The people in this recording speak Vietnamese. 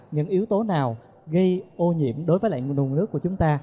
những yếu tố nào gây ô nhiễm đối với lại nguồn nước của chúng ta